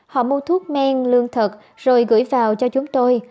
họ mua thuốc men lương thật rồi gửi vào cho chúng tôi